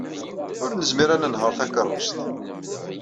Ur nezmir ad nenheṛ takeṛṛust.